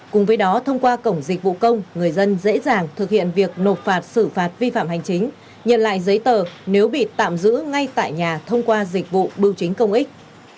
cùng với đó thông qua cổng dịch vụ công người dân dễ dàng thực hiện việc nộp phạt xử phạt vi phạm hành chính nhận lại giấy tờ nếu bị tạm giữ ngay tại nhà thông qua dịch vụ bưu chính công ích